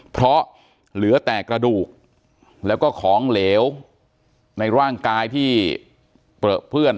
เพราะเหลือแต่กระดูกแล้วก็ของเหลวในร่างกายที่เปลือเปื้อน